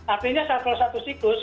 artinya kalau satu siklus